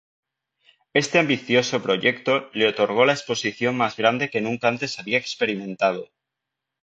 Este ambicioso proyecto le otorgó la exposición más grande que nunca antes había experimentado.